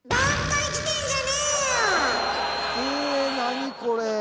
え何これ。